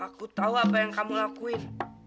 aku tahu apa yang kamu lakuin